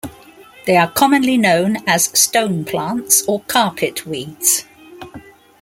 They are commonly known as stone plants or carpet weeds.